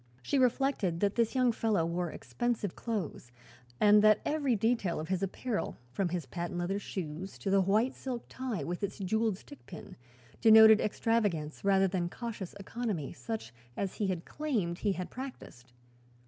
She reflected that this young fellow wore expensive clothes and that every detail of his apparel, from the patent leather shoes to the white silk tie with its jeweled stick pin, denoted extravagance rather than cautious economy, such as he had claimed he had practiced.